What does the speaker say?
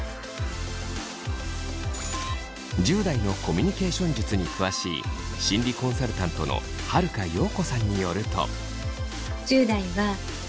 １０代のコミュニケーション術に詳しい心理コンサルタントの晴香葉子さんによると。